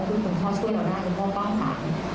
คุณพ่อช่วยเราได้คุณพ่อต้องถาม